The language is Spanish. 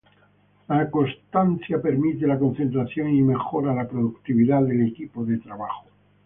La constancia permite la concentración y mejora la productividad del equipo de trabajo.